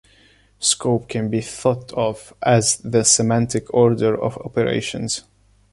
Scope can be thought of as the semantic order of operations.